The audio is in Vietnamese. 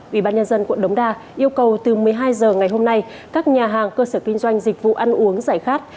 ủy ban nhân dân quận đống đa yêu cầu từ một mươi hai h ngày hôm nay các nhà hàng cơ sở kinh doanh dịch vụ ăn uống giải khát